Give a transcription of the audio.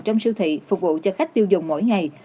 trong siêu thị phục vụ cho khách tiêu dùng mỗi ngày